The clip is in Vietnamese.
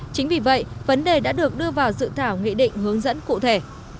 chính vì vậy vấn đề đã được đưa vào dự thảo nghị định hướng dẫn cụ thể